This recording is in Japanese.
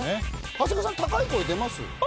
長谷川さん高い声出ます？